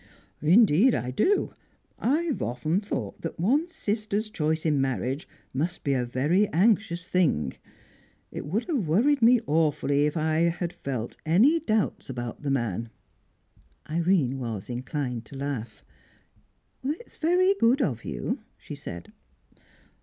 "Indeed I do. I've often thought that one's sister's choice in marriage must be a very anxious thing; it would have worried me awfully if I had felt any doubts about the man." Irene was inclined to laugh. "It's very good of you." she said.